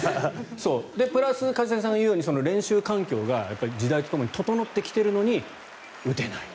プラス一茂さんが言うように練習環境が時代とともに整ってきているのに打てない。